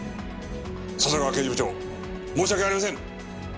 笹川刑事部長申し訳ありません。